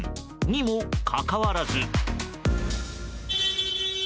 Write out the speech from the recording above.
にもかかわらず。